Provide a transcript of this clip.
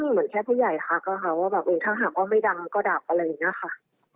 เหมือนแค่ผู้ใหญ่ทักค่ะค่ะว่าเกลียดถ้าหากก็ไม่ดำก็ดับอะไรแบบนี้ค่ะ